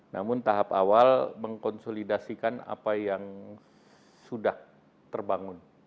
namun tahap awal mengkonsolidasikan apa yang sudah terbangun